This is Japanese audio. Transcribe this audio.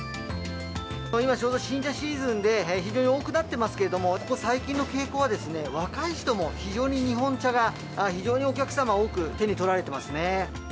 今ちょうど新茶シーズンで、非常に多くなってますけれども、ここ最近の傾向は、若い人も非常に日本茶が非常にお客様、多く手に取られてますね。